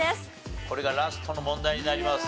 これがラストの問題になります。